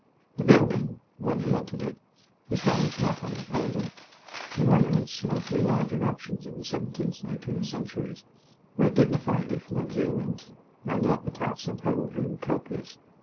The building, when he entered it, he found not unimposing. The monuments, mostly large erections of the seventeenth and eighteenth centuries, were dignified if luxuriant, and the epitaphs and heraldry were copious.